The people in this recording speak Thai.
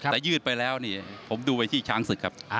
แต่ยืดไปแล้วนี่ผมดูไปที่ช้างศึกครับ